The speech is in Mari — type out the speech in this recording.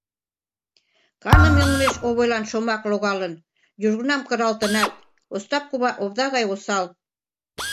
Каныме олмеш Овойлан шомак логалын, южгунам кыралтынат; Остап кува овда гай осал...